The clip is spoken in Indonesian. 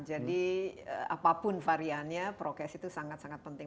jadi apapun variannya prokes itu sangat sangat penting